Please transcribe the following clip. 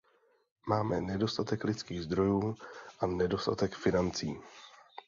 Máme nedostatek lidských zdrojů a nedostatek financování.